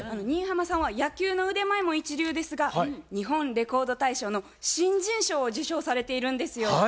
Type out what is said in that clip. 新浜さんは野球の腕前も一流ですが日本レコード大賞の新人賞を受賞されているんですよ。